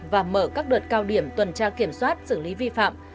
và mở các đợt cao điểm tuần tra kiểm soát xử lý vi phạm